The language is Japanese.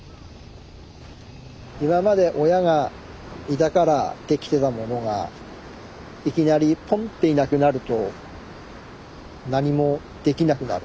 今まで親がいたからできてたものがいきなりポンッていなくなると何もできなくなる。